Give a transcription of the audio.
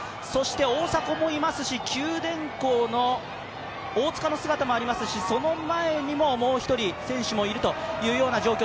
大迫もいますし、九電工の大塚の姿もありますし、その前にももう１人選手がいるという状況。